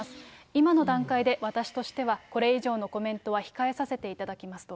今の段階で私としてはこれ以上のコメントは控えさせていただきますと。